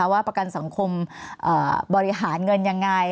ว่าประกันสังคมบริหารเงินยังไง